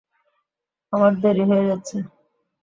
আমার দেরি হয়ে যাচ্ছে।